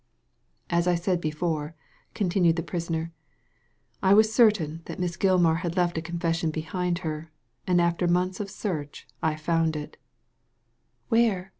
As I said before," continued the prisoner, I was certain that Miss Gilmar had left a confession behind her, and after months of search I found it" ''Where?"